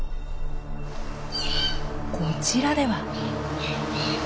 こちらでは。